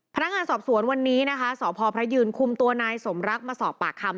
พนักงานสอบสวนวันนี้นะคะสพพระยืนคุมตัวนายสมรักมาสอบปากคำ